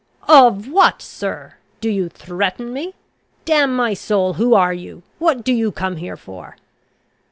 "Of what, sir! Do you threaten me? Damn my soul! who are you? what do you come here for?"